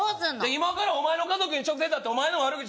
今からお前の家族に直接会ってお前の悪口